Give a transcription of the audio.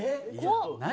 何？